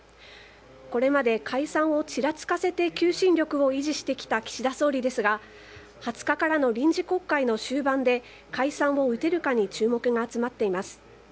これまで解散をちらつかせて求心力を維持してきた岸田総理ですが２０日からの臨時国会の終盤で解散を打てるかに注目が集まっています。